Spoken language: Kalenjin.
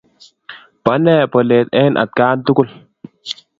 Pone polet eng' atkan tukul?